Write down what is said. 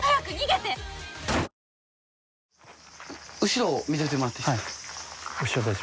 後ろ見ててもらっていいっすか？